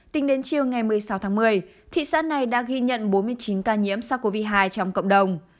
tính đến chiều ngày một mươi sáu tháng một mươi thị xã này đã ghi nhận bốn mươi chín ca nhiễm sau covid một mươi chín trong cộng đồng